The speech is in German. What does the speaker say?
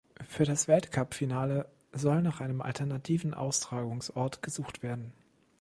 Für das Weltcupfinale soll nach einem alternativen Austragungsort gesucht werden.